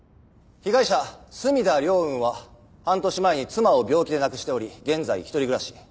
被害者墨田凌雲は半年前に妻を病気で亡くしており現在一人暮らし。